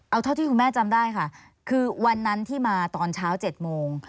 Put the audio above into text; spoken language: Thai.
เอาเท่าที่คุณแม่จำได้ค่ะคือวันนั้นที่มาตอนเช้า๗โมง